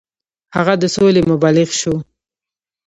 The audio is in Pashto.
هغه د سولې مبلغ شو.